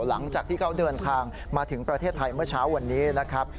หลังจากที่เขาเดินทางมาถึงประเทศไทยเมื่อเช้าวันนี้นะครับ